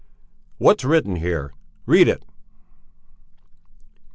"What's written here? Read it!